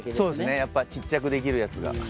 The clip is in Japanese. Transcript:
やっぱりちっちゃくできるやつが。